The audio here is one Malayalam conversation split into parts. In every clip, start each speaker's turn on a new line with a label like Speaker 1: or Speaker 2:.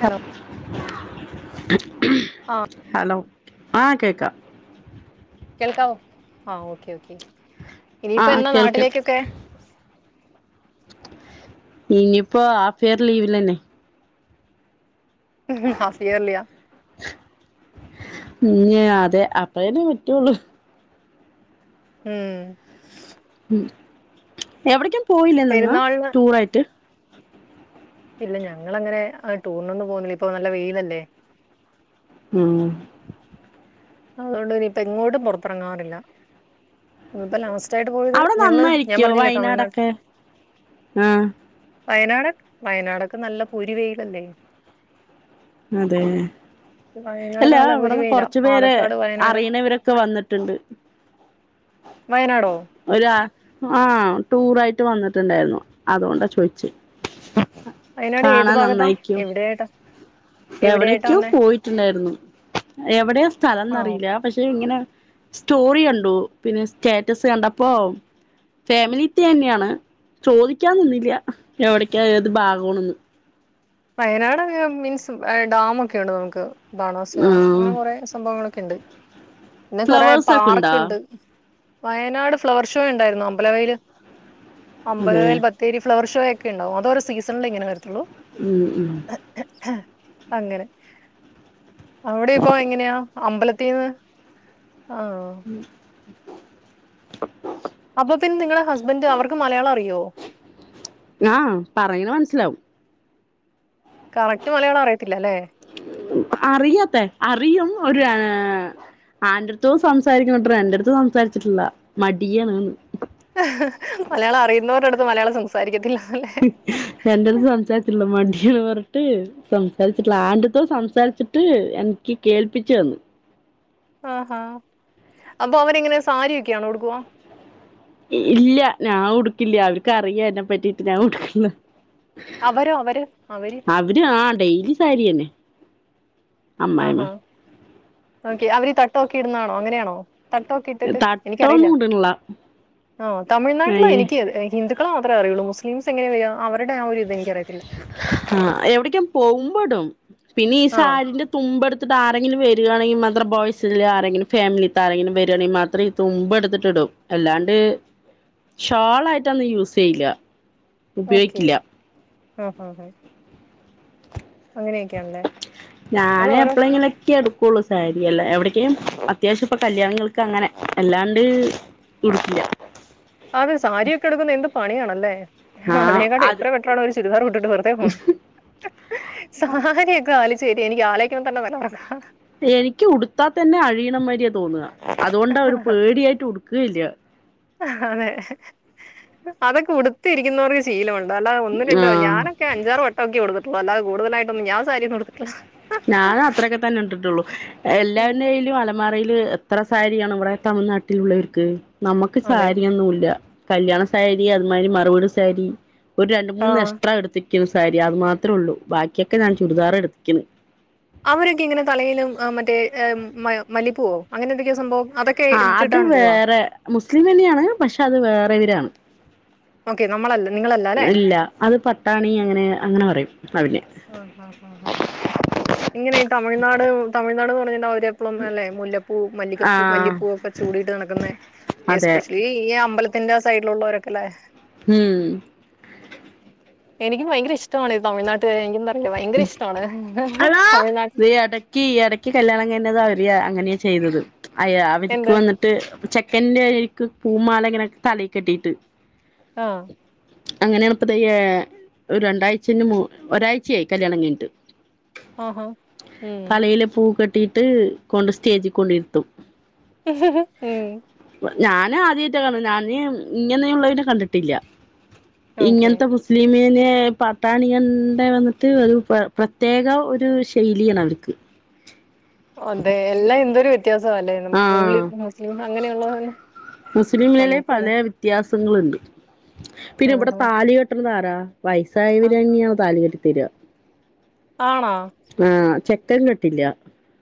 Speaker 1: ഹലോ ആഹ്
Speaker 2: ഹലോ? ആഹകേക്കാം.
Speaker 1: കേൾക്കാവോ? ആഹ, ഓക്കെ ഓക്കേ.
Speaker 2: ആ
Speaker 1: ഇനിയിപ്പ എന്നാ
Speaker 2: കേൾക്കാം
Speaker 1: നാട്ടിലേക്കൊക്കെ?
Speaker 2: ഇനി ഇപ്പോ ആഫിയർ ലീവ്ല്ലന്നെ.
Speaker 1: ഹാഫിയർ ലിയ.
Speaker 2: ഞ്ഞ് അതെ, അപ്പേനെ പറ്റുള്ളു.
Speaker 1: ഉം.
Speaker 2: ഉം. എവിടേക്കും പോയില്ലേ നിങ്ങ?
Speaker 1: പെരുന്നാളിന്
Speaker 2: ടൂറായിട്ട്?
Speaker 1: ഇല്ല ഞങ്ങളങ്ങനെ അ ടൂറിനൊന്നും പോകുന്നില്ല, ഇപ്പൊ നല്ല വെയിയിലല്ലേ?
Speaker 2: ഉം..
Speaker 1: അതുകൊണ്ട് ഇനിയിപ്പ എങ്ങോട്ടും പുറത്തിറങ്ങാറില്ല. ഇപ്പോ ലാസ് ച്ചായിട്ട് പോയത്,
Speaker 2: അവിടെ
Speaker 1: ഞങ്ങള് ഞാൻ
Speaker 2: നന്നായിരിക്കോ
Speaker 1: പറഞ്ഞില്ലേ? തമിഴ്നാട്...
Speaker 2: വയനാടൊക്കെ ആ
Speaker 1: വയനാട്, വയനാടൊക്കെ നല്ല പൊരി വെയിലല്ലേ?
Speaker 2: അതെ, അല്ല
Speaker 1: വയനാടൊക്കെ നല്ല പൊരി
Speaker 2: അവിടെന്ന്
Speaker 1: വെയിലാ
Speaker 2: കൊറച്ചു പേരെ..
Speaker 1: പാലക്കാട് വയനാട്
Speaker 2: അറിയണവരൊക്കെ വന്നിട്ടുണ്ട്.
Speaker 1: വയനാടോ?
Speaker 2: ഒര ആഹ, ടൂറായിട്ട് വന്നിട്ടുണ്ടായിരുന്നു. അതോണ്ട ചോദിച്ചത്.
Speaker 1: അയിനാട് ഏത് ഭാഗത്താ? എവിടെയായിട്ടാ? എവിടെയായിട്ടാ
Speaker 2: എവിടക്കോ
Speaker 1: വന്നേ
Speaker 2: പോയിട്ടുണ്ടായിരുന്നു. എവിടെയാ സ്ഥലം
Speaker 1: ആഹ്
Speaker 2: എന്നറിയില്ല. പക്ഷെ ഇങ്ങനെ സ്റ്റോറി കണ്ടു പിന്നെ സ്റ്റാറ്റസ് കണ്ടപ്പോ... ഫാമിലിത്തി തന്നെയാണ്. ചോദിക്കാനിന്നില്ല, എവിടക്കാണ് ഏത് ഭാഗണന്ന്.
Speaker 1: വയനാട്ങ്ങ മീൻസ് ഡാംഒക്കെണ്ട് നമുക്ക് ബാണാസുര.
Speaker 2: ആഹ്
Speaker 1: അങ്ങനെ കൊറെ സംഭവങ്ങളൊക്കെ ഉണ്ട്. പിന്നെ കൊറെ
Speaker 2: ഫ്ലവേഴ്സ് ഒക്കെ ഇണ്ടാ
Speaker 1: പാർക്ക് ഉണ്ട്. വയനാട് ഫ്ലവർ ഷോ ഉണ്ടായിരുന്ന അമ്പലവയല്,
Speaker 2: അതെ
Speaker 1: അമ്പലവൽ ബ തേരി ഫ്ലവർഷോ ഒക്കെ ഉണ്ടാവും. അത് ഒരു സീസണിൽ ഇങ്ങന വരത്തുള്ളൂ.
Speaker 2: ഉം ഉം.
Speaker 1: അങ്ങനെ, അവിടെ ഇപ്പോ എങ്ങനെയാ? അമ്പലത്തീന്ന്, ആഹ്
Speaker 2: ഉം.
Speaker 1: അപ്പൊ പിന്നെ നിങ്ങളെ ഹസ്ബന്റ് അവർക്ക് മലയാളം അറിയോ?
Speaker 2: ആഹ് പറയിണ മനസ്സിലാവും.
Speaker 1: കറക്റ്റ് മലയാളം അറിയത്തില്ലല്ലേ?
Speaker 2: അറിയാത്തെ, അറിയും ഒരു ഏഹ് ആന്റടുത്തു സംസാരിക്കുന്നത്രേ, എന്റെട്ത്ത് സംസാരിച്ചിട്ടില്ല. മടിയാണ്ന്ന്.
Speaker 1: മലയാളം അറിയുന്നവരുടെ അടുത്ത് മലയാളം സംസാരിക്കത്തില്ല അല്ലേ?
Speaker 2: എന്റടുത്ത് സംസാരിച്ചില്ല മണ്ടിയാണ് പറഞ്ഞിട്ട്. സംസാരിച്ചിട്ടുള്ള, ആരടുത്തോ സംസാരിച്ചിട്ട് എനിക്ക് കേൾപ്പിച്ചു തന്ന്.
Speaker 1: ആഹാ, അപ്പൊ അവനെങ്ങനെ സാരിയൊക്കെ ആണോടുക്കുവാ?
Speaker 2: ഇല്ല ഞാൻ ഉടുക്കില്ല അവർക്ക് അറിയ എന്നെ പറ്റീട്ട് ഞാൻ ഉടുക്കൂ ന്നു.
Speaker 1: അവരോ? അവര് അവര്.
Speaker 2: അവര് ആഹ് ഡെയിലി സാരിയന്നെ.
Speaker 1: ആഹാ, ഓക്കെ അവര് തട്ടോക്കെ ഇടുന്നാണോ? അങ്ങനെയാണോ? തട്ടൊക്കെ ഇട്ടിട്ട് എനിക്കറിയില്ല.
Speaker 2: തട്ടൊന്നും ഇടണില്ല
Speaker 1: ആഹ് തമിഴ്നാട്ടില്
Speaker 2: അയ്യേ
Speaker 1: എനിക്ക് ഹിന്ദുക്കളെ മാത്രേ അറിയുള്ളു, മുസ്ലിംസ് എങ്ങനെയ്യ അവരുടെ ആ ഒരു ഇത് എനിക്ക് അറിയത്തില്ല.
Speaker 2: ആഹ്, എവിടേക്കേം പോകുമ്പോടും. പിന്നെ ഈ
Speaker 1: ആ
Speaker 2: സാരിന്റെ... തുമ്പെടുത്തിട്ടാരെങ്കിലും വരിവാണെങ്കിൽത്ര ബോയ്സിൽ ആരെങ്കിലും ഫാമിലിയിത്താ രെങ്കിലും വരിവാണെങ്കിൽ മാത്ര തുമ്പ് എടുത്തിട്ടിടും അല്ലാണ്ട് ഷാളായിട്ടൊന്നും യൂസ് ചെയ്യില്ല
Speaker 1: ഓക്കെ
Speaker 2: ഉപയോഗിക്കില്ല
Speaker 1: ആഹ് ആഹ് ആഹ് അത്
Speaker 2: ഞാന്
Speaker 1: ഓരോ
Speaker 2: എപ്പളും ഇങ്ങനെ എടുക്കുള്ളൂ സാരിഅല്ല എവിടക്കും അത്യാവശ്യം ഇപ്പൊ കല്യാണങ്ങൾക്ക് അങ്ങനെ അല്ലാണ്ട് ഉടുക്കില്ല
Speaker 1: അതെ സാരിയൊക്കെ ഉടുക്കുന്ന എന്ത് പണിയാണല്ലേ ആഹ് അതിനേകാട്ടി എത്ര ബെറ്ററാണ് ഒരു ചുരിദാറ് ഇട്ടിട്ട് വെറുതെ പോണെ സാരിയൊക്കെ വലിച്ചേറ്റി എനിക്ക് ആലോചികുമ്പോൾ തന്നെ തല കറങ്ങാ
Speaker 2: എനിക്ക് ഉടുത്താ തന്നെ അഴിയണ മാരിയാ തോന്നുക അതുകൊണ്ട ഒ ര് പേടിയായിട്ട് ഉടുക്കുകയില്ല
Speaker 1: അതെ അതൊക്കെ ഉടുത്തി ഇരിക്കുന്നവർക്ക് ശീലഒണ്ട് അല്ലാതെ ഒന്ന് രണ്ട്
Speaker 2: ആഹ്
Speaker 1: ഞാനൊക്കെ അഞ്ചാറ് വട്ടൊക്കെ ഉടുത്തിട്ടൊള്ളൂ അല്ലാതെ കൂടുതലായിട്ടൊന്നും ഞാൻ സാരി ഒന്നും ഉടുക്കത്തില്ല
Speaker 2: ഞാനും അത്രേക്കെ തന്നെ ഇട്ടി ട്ടുള്ളൂ എല്ലാന്റെ
Speaker 1: ഉം,
Speaker 2: കയ്യിലുംഅല മാരയില് എത്ര സാരിയാണ് ഇവിടെ തമിഴ്നാട്ടിലുള്ളവർക്ക് നമുക്ക്
Speaker 1: അതെ
Speaker 2: സാരിയൊന്നൂല്ല കല്യാണ സാരി അതുമാതിരി മറുവീട് സാരി ഒരു രണ്ട്
Speaker 1: ആ
Speaker 2: മൂന്ന് എക്സ്ട്രാ എടുത്തി ക്ക് സാരി അതു മാത്രേ ഉള്ളു ബാക്കിയൊക്കെ ഞാൻ ചുരിദാർ എടുത്തിക്കുണ്
Speaker 1: അവരൊക്കെ ഇങ്ങനെ തലയിലും മറ്റേ മല്ലിപൂവോ അങ്ങനെ എന്തൊക്കെയോ സംഭവം അതൊക്കെ
Speaker 2: ആഹ് അത്
Speaker 1: ഇട്ടിട്ടാണ് പോവാ
Speaker 2: വേറെ മുസ്ലിം തന്നെയാണ് പക്ഷെ അത് വേറെ ഇവരാണ്
Speaker 1: ഓക്കെ നമ്മളല്ല നിങ്ങളല്ല അല്ലേ
Speaker 2: അല്ല അത് പട്ടാണി അങ്ങനെ അങ്ങനെ പറയും അതിന്
Speaker 1: ആഹ് ആഹ് ആഹ് ആഹ് ഇങ്ങനെ ഈ തമിഴ്നാട് തമിഴ്നാട്ന്ന് പറഞ്ഞിണ്ട അവരെപ്പളും നല്ല മുല്ലപ്പൂ മല്ലിക്കപ്പൂ മല്ലി
Speaker 2: ആഹ്
Speaker 1: പൂവൊക്കെ ചൂടീട്ട് നടക്കുന്നെ
Speaker 2: അതെ
Speaker 1: എസ്പെഷ്യലി ഈ അമ്പലത്തിന്റെ സൈഡിലുള്ളവരൊക്കെല്ലേ
Speaker 2: ഉം
Speaker 1: എനിക്കും ഭയങ്കര ഇഷ്ടമാണ് തമിഴ്നാട്ട്കാരെ എനിക്കെന്തറിയാ ഭയങ്കര ഇഷ്ടമാണ്
Speaker 2: ഹലോ
Speaker 1: തമിഴ്നാട്ടിൽ
Speaker 2: എടക്ക് ഈ എടക്ക് കല്യാണം കഴിഞ്ഞത അവര് അങ്ങനെയാ ചെയ്തത് അയാ അവരിക്ക്
Speaker 1: എന്ത്
Speaker 2: വന്നിട്ട് ട്ട് ചെക്കൻന്റെക്ക് പൂമാല ഇങ്ങനെ തലെക്കെട്ടിയിട്ട്
Speaker 1: ആഹ്
Speaker 2: അങ്ങനെയാണ് ഇപ്പത്തെ ഒരു രണ്ടാഴ്ചന് ഒരാഴ്ച യിച്ചയായി കല്യാണം കഴിഞ്ഞിട്ട്
Speaker 1: ആഹാ ഉം
Speaker 2: തലയില് പൂക്കെ കെ ട്ടിട്ട് കൊണ്ട് സ്റ്റേജി കൊണ്ടിരുത്തും
Speaker 1: ഉം
Speaker 2: ഞാന് ആദ്യായിട്ട കാണുന്നെ ഞാൻ ഇങ്ങനെയു ള്ളതിനെ കണ്ടിട്ടില്ല
Speaker 1: ഓക്കെ
Speaker 2: ഇങ്ങനത്തെ മുസ്ലിമെ പാട്ടാണിണ്ട വന്നിട്ട് ട്ട് അത് പ്രത്യേക ഒരു ശൈലിയാണ് അവർക്ക്
Speaker 1: അതെ എല്ലാം എന്തൊരു വ്യ വ്യത്യാസം അല്ലേ ഉള്ളി
Speaker 2: ആഹ്
Speaker 1: മുസ്ലിം അങ്ങനെയുള്ള തന്നെ
Speaker 2: മുസ്ലിമിലെ
Speaker 1: നമുക്ക്
Speaker 2: പല
Speaker 1: തല്ലെ
Speaker 2: വ്യത്യാസങ്ങളുണ്ട് പിന്നെ ഇവിടെ
Speaker 1: ആഹ്
Speaker 2: താലി കെട്ടണത് ആരാ
Speaker 1: ആ
Speaker 2: വയസ്സായവരതന്നെ താലികെട്ടി തര
Speaker 1: ആണോ
Speaker 2: ആഹ് ചെക്കൻ കെട്ടില്ല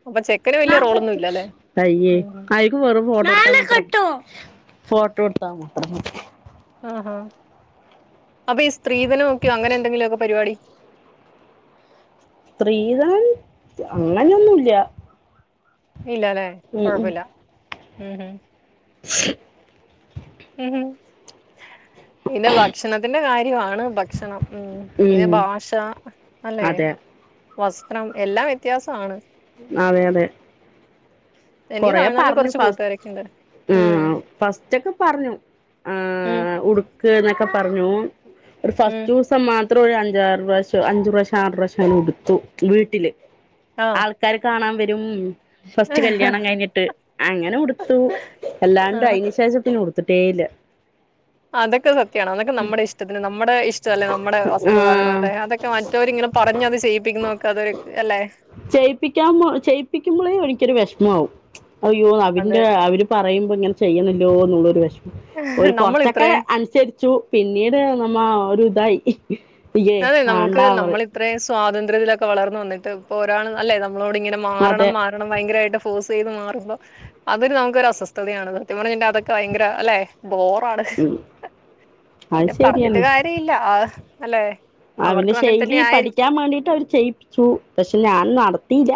Speaker 1: അപ്പൊ ചെക്കന് വല്യ റോളൊന്നും ഇല്ലല്ലേ
Speaker 2: അയ്യേ
Speaker 1: ഉമ്
Speaker 2: അയിക്ക് വെറും ഫോട്ടോഎടുത്ത ഫോട്ടോ എടുത്താമാത്രം
Speaker 1: ആഹ് ആഹ് അപ്പൊ ഈ സ്ത്രീധന നോക്കെയോ അങ്ങനെ എന്തെങ്കിലും ഒക്കെ പരിപാടി
Speaker 2: സ്ത്രീധനം അങ്ങനെയൊന്നുല്ല
Speaker 1: ഇല്ലല്ലെ
Speaker 2: ഉം ഉം
Speaker 1: കൊഴപ്പല്ല ഉം ആഹ്
Speaker 2: [unintelligible]
Speaker 1: ഉം പിന്നെ ഭക്ഷണത്തിന്റെ കാര്യമാണ് ഭക്ഷണം ഉ പിന്നെ
Speaker 2: ഉം
Speaker 1: ഭാഷ അല്ലെ
Speaker 2: അതെ
Speaker 1: വസ്ത്രം എല്ലാം വ്യത്യാസമാണ്.
Speaker 2: അതെ അതെ
Speaker 1: എനിക്ക്
Speaker 2: കൊറേ
Speaker 1: തമിഴ്നാട്ടില്
Speaker 2: പറഞ്ഞു
Speaker 1: കുറച്ച്
Speaker 2: ഫസ്
Speaker 1: കൂട്ടുകാരൊക്കെ ഉണ്ട് ഉം
Speaker 2: ഫസ്റ്റ് ഒക്കെ പറഞ്ഞു
Speaker 1: ഉം
Speaker 2: ഉടുക്ക് എന്നൊക്കെ പറഞ്ഞു ഒരു
Speaker 1: ഉം
Speaker 2: ഫസ്റ്റ് മാത്രം ഒരു അഞ്ചാറ് പ്രാവശ്യം അഞ്ചു പ്രാവശ്യം ആറു പ്രാവശ്യം ഉടുത്തു വീട്ടില്
Speaker 1: ആ
Speaker 2: ആൾ ആൾക്കാര് കാണാൻ വരും ഫസ്റ്റ് ക കഴിഞ്ഞിട്ട് അങ്ങനെ ഉടുത്തും
Speaker 1: ആ
Speaker 2: എല്ലാണ്ട് അതിന് ശേഷം പിന്നെ ഉടുത്തിട്ടേ ഇല്ല.
Speaker 1: ആ അതൊക്കെ സത്യമാണ് അതൊക്കെ സത്യാണ് നമ്മുടെ ഇഷ്ടത്തിന് നമ്മുടെ ഇഷ്ട അല്ലെ നമ്മുടെ വസ്ത്രധാരണം
Speaker 2: ആഹ്
Speaker 1: അല്ലെ അതൊക്കെ മ മറ്റോരിങ്ങനെ പറഞ്ഞഞ് അത് ചെയ്യിപ്പിക്കുന്ന നോക്ക് അതൊ അല്ലെ?
Speaker 2: ചെയ്യിപ്പിക്കാൻ ചെയ്യിപ്പിക്കുമ്പോളേ ഓനിക്കൊരു വിഷമമാവും അവന്റെ
Speaker 1: അതെ
Speaker 2: അവര് പറയുമ്പോ ഇങ്ങനെ ചെയ്യണല്ലോ എന്നുള്ളരു വെഷമം ഒരു
Speaker 1: നമ്മൾ
Speaker 2: കൊറച്ചൊക്കെ
Speaker 1: ഇത്രേ
Speaker 2: അനുസരിച്ചു പിന്നീട് നമ്മ ഒരു ഇതായി യ്യേ വേണ്ടാ പറയും.
Speaker 1: അത്രേ സ്വാതന്ത്ര്യത്തിലൊക്കെ വളർന്നു വന്നിട്ട് ഇപ്പോ ഒരാൾ അല്ലേ നമ്മളോട് ഇങ്ങനെ മാറണം
Speaker 2: അതെ
Speaker 1: മാറ ണം ഭയങ്കരയിട്ട് ഫോഴ്സ് ചെയ്ത് മാറുമ്പോ അതൊരു നമുക്ക് ഒരസ്വസ്ഥതയാണ് സത്യ പറഞ്ഞാന്റെ അതൊക്കെ ഭയങ്കര അല്ലെ? ബോറാണ്
Speaker 2: ഉം അത്
Speaker 1: പിന്നെ പറഞ്ഞിട്ട്
Speaker 2: ശരിയന്നെ
Speaker 1: കാര്യ ഇല്ല. ആഹ് അല്ലെ?
Speaker 2: അവന്റെ
Speaker 1: അവർക്കും അങ്ങനെ
Speaker 2: ശൈലി
Speaker 1: തന്നെ ആയിരിക്കും
Speaker 2: പഠിക്കാൻ വേണ്ടിട്ട് അവര് ചെയ്യിപ്പിച്ചു പക്ഷെ ഞാൻ നടത്തിയില്ല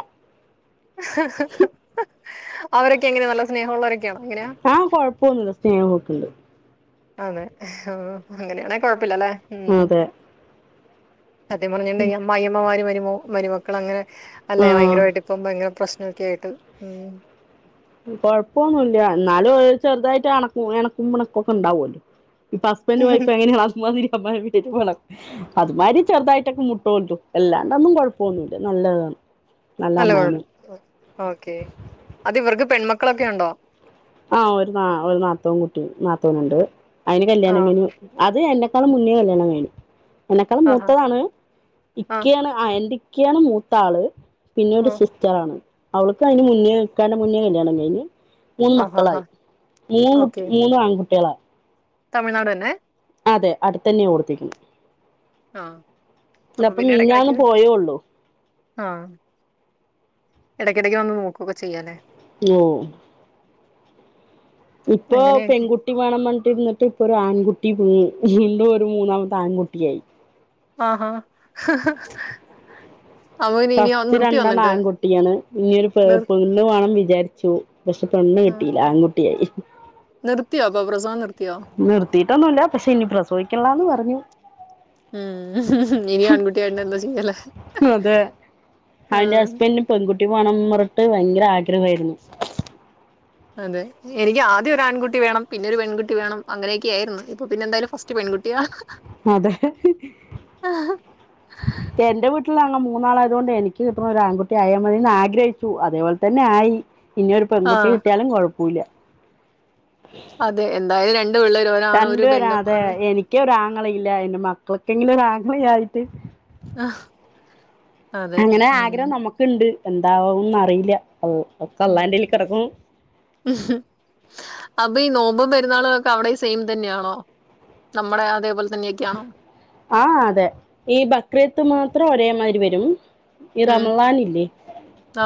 Speaker 1: അവരൊക്കെ എങ്ങനെ നല്ല സ്നേഹമുള്ളവരൊക്കെയാണോ എങ്ങനെയാ?
Speaker 2: ആഹ് കൊഴപ്പൊന്നുല്ല സ്നേഹം ഒക്കെയുണ്ട്.
Speaker 1: അതെ ആഹ് അങ്ങനെയാണെ കൊഴപ്പല്ലല്ലേ.
Speaker 2: അതെ
Speaker 1: സത്യം പറഞ്ഞിട്ടുണ്ടങ്കി അമ്മായിയമ്മ മരുമോ മരുമക്കൾ അങ്ങനെ അല്ലേ
Speaker 2: ആ
Speaker 1: ഭയങ്കരമായിട്ട് ഇപ്പം ഭയങ്കര പ്രശ് ആഹ് കേട്ടു ഉം
Speaker 2: കൊഴപ്പന്നുല്ല എന്നാലും ചെറുതായിട്ട് എണക്കും പിണക്കൊക്കെ ഉണ്ടാവോല്ലോ? ഇപ്പ ഹസ്ബന്റ് വൈഫ് എങ്ങനെയാ അമാതിരിയാ അമ്മായെ വിട്ടേച്ച് പോണം അതുമാരി ചെറുതായിട്ടൊക്കെ മുട്ട്കിട്ടും എല്ലാണ്ട് ഒന്നും കുഴപ്പമൊന്നുല്ല നല്ലതാണ്.
Speaker 1: നല്ല കുഴപ്പം ഓക്കെ അത് ഇവർക്ക് പെൺമക്കളൊക്കെ ഉണ്ടോ?
Speaker 2: ആഹ് ഒരു നാ ഒരു നാത്തൂൻകുട്ടി നാത്തൂൻ ഉണ്ട് അയ്ന് കല്യാണം
Speaker 1: ആഹ്
Speaker 2: കഴിഞ്ഞു അത് എന്നെക്കാളും മുന്നേ കല്യാണം കഴിഞ്ഞു. എന്നെക്കാളു
Speaker 1: ആഹാ
Speaker 2: മൂത്തതാണ് ഇക്കയാണ് ആഹ് എന്റെ ഇക്കയാണ് മൂത്ത ആള് പിന്നെ ഒരു
Speaker 1: ആഹ്
Speaker 2: സിസ് റ്ററാണ് അവൾക്ക് അയ്ന് മുന്നേ ഇക്കാന്റെ മുന്നേ കല്യാണം കഴിഞ് മൂന്ന്
Speaker 1: ആഹാ ഹാ ഹാ
Speaker 2: മക്കളായി മൂന്ന് കുട്ടി
Speaker 1: ഓക്കെ
Speaker 2: മൂന്നും ആൺകുട്ടികളാ.
Speaker 1: തമിഴ്നാട് തന്നെ.
Speaker 2: അതെ അടുത്ത് തന്നെയാ കൊടുത്തേക്കുന്നത്.
Speaker 1: ആഹ്
Speaker 2: അല്ല
Speaker 1: അപ്പൊ
Speaker 2: ഇപ്പൊ
Speaker 1: പിന്നെ
Speaker 2: മീനിഞ്ഞാന്ന്
Speaker 1: ഇടക്കിടക്ക്
Speaker 2: പോയേള്ളൂ.
Speaker 1: ആഹ് എടക്കിടയ്ക് വന്ന് നോക്കു ഒക്കെ ചെയ്യ അല്ലേ.
Speaker 2: യോ ഇപ്പൊ പെൺകുട്ടി
Speaker 1: അങ്ങനെയൊക്കെ
Speaker 2: കുട്ടി വേണന്ന് പറഞ്ഞിരുന്നിട്ട് ഇപ്പം ഒരു ആൺകുട്ടി വീണ്ടും ഒരു മൂന്നാമത്തെ ആൺകുട്ടിയായി.
Speaker 1: ആഹാ അവന് ഇനി
Speaker 2: ഫസ്റ്റ്
Speaker 1: നിർത്തിയോ
Speaker 2: രണ്ടെണ്ണം
Speaker 1: എന്നിട്ട്
Speaker 2: ആൺകുട്ടിയാണ് ഇനി ഒരു പെ
Speaker 1: നിർ
Speaker 2: പെൺ ണ്ണു വേണം വിചാരിച്ചു പക്ഷെ പെണ്ണ്
Speaker 1: ആഹ്
Speaker 2: കിട്ടിയില്ല ആൺകുട്ടിയായി.
Speaker 1: നിർത്തിയോ അപ്പം പ്രസവം നിർത്തിയോ?
Speaker 2: നിർത്തിയിട്ടൊന്നുല്ല പക്ഷെ ഇനി പ്രസവിക്കണില്ലാന്ന് പറഞ്ഞു.
Speaker 1: ആഹ് ഇനിയും ആൺകുട്ടിയായ എന്താ ചെയ്യു അല്ലേ?
Speaker 2: അതെ അവന്റെ
Speaker 1: ആഹ്
Speaker 2: ഹസ്ബൻഡിന് പെൺകുട്ടി വേണോന്ന് പറഞ്ഞിട്ട് ഭയങ്കര ആഗ്രഹവായിരുന്നു.
Speaker 1: അതെ എനിക്ക് ആദ്യം ഒരു ആൺകുട്ടി വേണം. പിന്നെരു പെൺകുട്ടി വേണം. അങ്ങനെയൊക്കെ ആയിരുന്നു ഇപ്പൊ പിന്നെ എന്തായാലും ഫസ്റ്റ് പെൺകുട്ടിയാ.
Speaker 2: അതെ എന്റെ വീട്ടിൽ അങ് മൂന്നാളായതു കൊണ്ട് എനിക്ക് കിട്ടുന്ന ഒരു ആൺകുട്ടി ആയാൽ മതിയെന്ന് ആഗ്രഹി ച്ചു അതേപോലെ തന്നെ ആയി ഇനി ഒരു പെൺകുട്ടി
Speaker 1: ആഹ്
Speaker 2: കിട്ടിയാലും കുഴപ്പല്ല
Speaker 1: അതെ എന്തായാലും രണ്ട് പിള്ളേ [unintelligible]
Speaker 2: രണ്ടുപേര് അതെ എനിക്ക് ഒരാങ്ങളയില്ല. എന്റെ മക്കളൊക്കെങ്കിലും ഒരാങ്ങളയായിട്ട്
Speaker 1: അഹ്
Speaker 2: അങ്ങനെ ആഗ്രഹം നമുക്കുണ്ട് എന്താവുന്ന് അറിയില്ല ഒക്കെ അള്ളാന്റെൽ കിടക്കണു
Speaker 1: അപ്പൊ ഈ നോമ്പ് പെരുന്നാളും ഒക്കെ അവിടെയും സെയിം തന്നെയാണോ നമ്മടെ അതേപോലെ തന്നെയൊക്കെയാണോ?
Speaker 2: ആഹ് അതെ ഈ ബക്രീത്ത് മാത്രം ഒരേമാരി വരും. ഈ
Speaker 1: ഉം
Speaker 2: റമളാൻ ഇല്ലേ?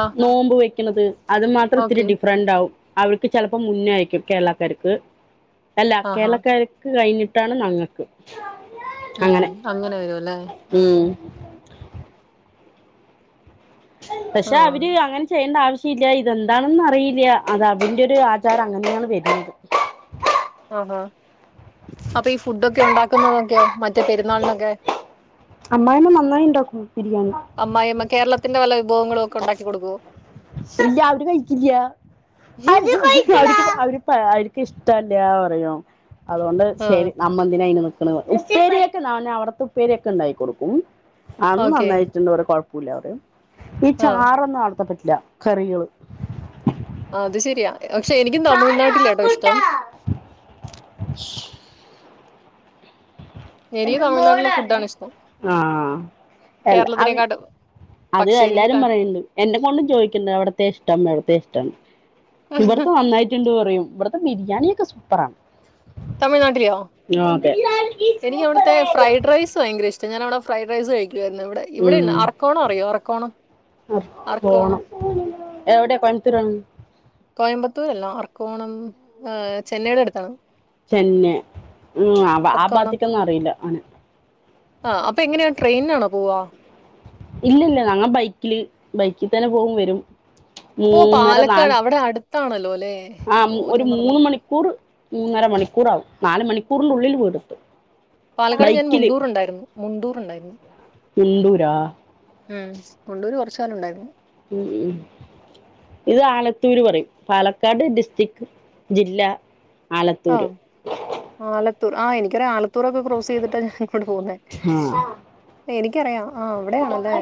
Speaker 1: ആ
Speaker 2: നോമ്പ് വെക്കണത് അത് മാത്രം ഇത്തിരി
Speaker 1: ഓക്കെ
Speaker 2: ഡിഫറന്റ് ആവും അവർക്ക് ചെലപ്പോ മുന്നെ ആയിരിക്കും. കേരളക്കാർക്ക് അല്ല
Speaker 1: ആഹാ
Speaker 2: കേരളക്കാർ ക്ക് കഴിഞ്ഞിട്ടാണ് ഞങ്ങക്ക്
Speaker 1: ഉം അങ്ങനെ വരുവല്ലേ ആഹ്
Speaker 2: ഉം
Speaker 1: ആ
Speaker 2: പക്ഷെ അവര് അങ്ങനെ ചെയ്യേണ്ട ആവശ്യല്ല ഇതെന്താണെന്ന് അറിയില്ല അത് അതിന്റൊരു ആചാരം അങ്ങനെയാണ് വരുന്നത്.
Speaker 1: ആഹാ അപ്പൊ ഈ ഫുഡൊക്കെ ഉണ്ടാക്കുന്നതൊക്കെയോ മറ്റേ പെരുന്നാളിനൊക്കെ
Speaker 2: അമ്മായിമ്മ നന്നായി ഇണ്ടാക്കും ബിരിയാണി.
Speaker 1: അമ്മായിമ്മ കേരളത്തിന്റെ വല്ല വിഭവങ്ങളും ഒക്കെ ഉണ്ടാക്കി കൊടുക്കുവോ?
Speaker 2: ഇല്ല്യ അവര് കഴിക്കില്ല അവര് ഇപ്പ അവർക്ക്ഷ്ടല്ല പറയും അതുകൊണ്ട്
Speaker 1: ആ
Speaker 2: ശരി അമ്മന്തിന അയിന് നിക്കണ് പറയും. ഉപ്പേരിയൊക്കെ നാനാ അവിടത്തെ ഉപ്പേരിയൊക്കെ ഉണ്ടാക്കി കൊടുക്കും അന്ന്
Speaker 1: ഓക്കെ
Speaker 2: നന്നായിട്ട് [unintelligible] പറേം കൊഴപ്പുല്ല പറയും ഈ
Speaker 1: ആ
Speaker 2: ചാറൊന്നും അവ്ട്ത്ത പറ്റില്ല കറികള്
Speaker 1: അത് ശെരിയാ പക്ഷെ എനിക്കും തമിഴ്നാട്ടിലാട്ടോ ഇഷ്ടം. എനിക്ക് തമിഴ്നാട്ടിലെ ഫുഡാണ് ഇഷ്ടം
Speaker 2: ആഹ് എല്ല അവിര്
Speaker 1: കേരളത്തിനെക്കാട്ടും
Speaker 2: അത്
Speaker 1: പക്ഷെ എനിക്ക്
Speaker 2: എല്ലാരും
Speaker 1: ക
Speaker 2: പറയണ്ട് എന്റെ മോളും ചോയിക്കിണ്ട് അവിടത്തെ ഇഷ്ടം അവിട്ത്തെ ഇഷ്ടം ന്ത് പറയും ഇവിടത്തെ ബിരിയാണിയൊക്കെ സൂപ്പറാ
Speaker 1: എനിക്കവിടത്തെ ഫ്രൈഡ് റൈസ് ഭയങ്കര ഇഷ്ടാ ഞാനവിടെ ഫ്രൈഡ് റൈസ് കഴിക്കുവായിരുന്നു ഇവിടെ. ഇവടെ
Speaker 2: ഉം
Speaker 1: അറക്കോണ അറിയോ അർക്കോണം അർക്കോണം
Speaker 2: പോണം എവിടെയാ കോയമ്പത്തൂർ ആണ്
Speaker 1: കോയമ്പത്തൂർല്ല ആർക്കോണം ചെന്നൈയുടെ അടുത്താണ്.
Speaker 2: ചെന്നെ ഉം അവ ആ
Speaker 1: അർക്കോണം
Speaker 2: ബാത്തിക്കൊന്നും അറിയില്ല അങ്ങനെ
Speaker 1: ആ അപ്പൊ എങ്ങനെയാ ട്രെയിനാണോ പോവാ?
Speaker 2: ഇല്ലില്ല ഞങ്ങ ബൈക്കില് ബൈക്കിൽ തന്നെ പോകും വരും. ഉം
Speaker 1: ഓ
Speaker 2: ന്നര നാൽ
Speaker 1: പാലക്കാട് അവിടെ അടുത്താണല്ലോ അല്ലേ
Speaker 2: ആ
Speaker 1: ഓ
Speaker 2: ഒരു
Speaker 1: ഞാൻ
Speaker 2: മൂന്ന്
Speaker 1: മറന്നു
Speaker 2: മണി ക്കൂർ മൂന്നര മണിക്കൂറാവും നാല് മണിക്കൂറിനുള്ളിൽ വീടുത്തും.
Speaker 1: പാലക്കാട് ഞാൻ മുണ്ടൂറുണ്ടായിരുന്നു മുണ്ടൂർ ഉണ്ടായിരുന്നു.
Speaker 2: മുണ്ടൂരാ
Speaker 1: ഉം മുണ്ടൂര് കൊറച്ച് കാലം ഒണ്ടായിരുന്നു.
Speaker 2: ഉം ഉം ഉം ഇത് ആലത്തൂര് പറയും പാലക്കാട് ഡിസ്ട്രിക്ട് ജില്ല ആലത്തൂര്
Speaker 1: ആഹ് ആലത്തൂർ ആഹ് എനിക്കറിയാ ആലത്തൂർ ത്തൂറൊക്കെ ക്രോസ് ചെയ്തിട്ടാ ഞാൻ ഇങ്ങോടെ പോകുന്നെ
Speaker 2: ആഹ്
Speaker 1: എനിക്കറിയാം ആഹ് അവിടെയാണല്ലേ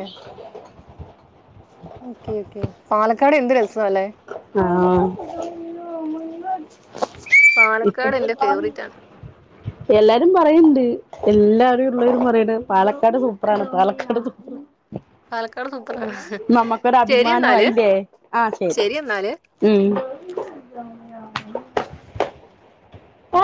Speaker 1: ഓക്കെ ഓക്കെ പാലക്കാട് എന്ത് രസാ അല്ലേ?
Speaker 2: ആഹ്
Speaker 1: പാലക്കാട് എന്റെ
Speaker 2: ഇപ്പത്തെന്താണ്
Speaker 1: ഫേവറേറ്റ് ആണ്
Speaker 2: എല്ലാരും പറയണ്ട് എല്ലാരും ഉള്ളവരും പറയണ് പാലക്കാട് സൂപ്പറാണ് പാലക്കാട് ക്കാട് സൂപ്പറാണ്
Speaker 1: പാലക്കാട് സൂപ്പർ
Speaker 2: നമുക്കൊരു
Speaker 1: ശരി എന്നാല്
Speaker 2: അഭിമാനായില്ലേ ആഹ് ശരി ഉം ആ